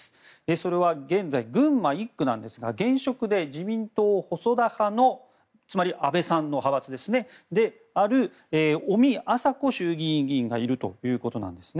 それは現在、群馬１区なんですが現職で自民党細田派のつまり、安倍さんの派閥である尾身朝子衆議院議員がいるということです。